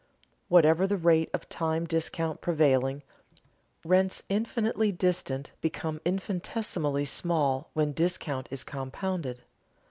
Whatever the rate of time discount prevailing, rents infinitely distant become infinitesimally small when discount is compounded.